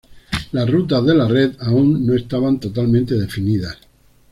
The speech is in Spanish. Las rutas de la red aún no estaban totalmente definidos.